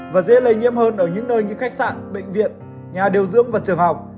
và dễ lây nhiễm hơn ở những nơi như khách sạn bệnh viện nhà điều dưỡng và trường học